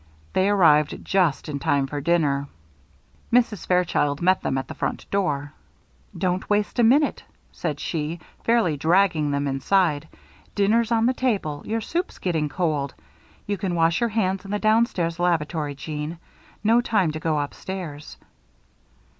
They arrived just in time for dinner. Mrs. Fairchild met them at the front door. "Don't waste a minute," said she, fairly dragging them inside. "Dinner's on the table. Your soup's getting cold. You can wash your hands in the downstairs lavatory, Jeanne no time to go upstairs."